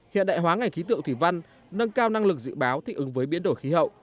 hiện đại hóa ngành khí tượng thủy văn nâng cao năng lực dự báo thích ứng với biến đổi khí hậu